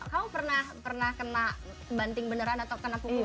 kau pernah kena banting beneran atau kena punggung